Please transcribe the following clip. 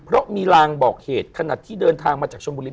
เพราะมีลางบอกเหตุขนาดที่เดินทางมาจากชนบุรี